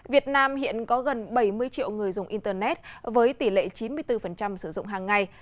việt nam hiện có gần bảy mươi triệu người dùng internet với tỷ lệ chín mươi bốn sử dụng hàng ngày